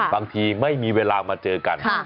บางทีไม่มีเวลามาเจอกัน